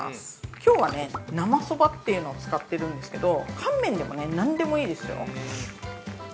きょうは、生そばというのを使っているんですけど、乾麺でも何でもいいですよ。